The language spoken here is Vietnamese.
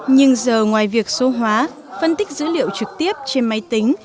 nhưng giờ ngoài việc số hóa phân tích dữ liệu trực tiếp trên máy tính